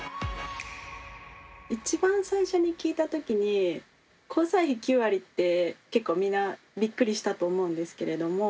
一番最初に聞いた時に交際費９割って結構みんなびっくりしたと思うんですけれども。